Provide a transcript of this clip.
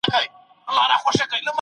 پرشتو د ادم علم ته درناوی وکړ.